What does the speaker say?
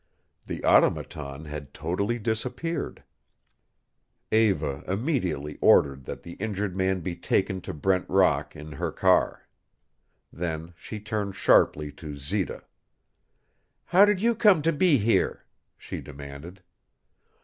The Automaton had totally disappeared. Eva immediately ordered that the injured man be taken to Brent Rock in her car. Then she turned sharply to Zita. "How did you come to be here?" she demanded.